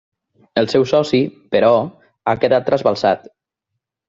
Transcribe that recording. El seu soci, però, ha quedat trasbalsat.